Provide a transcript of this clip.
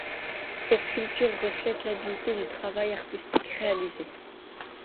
Cette sculpture reflète, l'habileté du travail artistique réalisé.